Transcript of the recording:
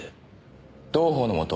同法のもと